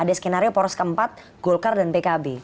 ada skenario poros keempat golkar dan pkb